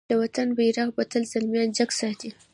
د وطن بېرغ به تل زلميان جګ ساتی.